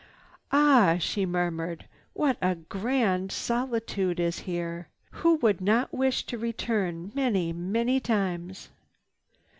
"Ah!" she murmured, "What a grand solitude is here! Who would not wish to return many, many times!"